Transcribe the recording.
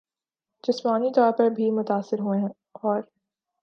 جسمانی طور پر بھی متاثر ہوئیں اور